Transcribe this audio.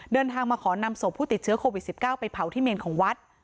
เดินทางมาขอนำศพผู้ติดเชื้อโควิด๑๙ไปเผาที่เมนของวัด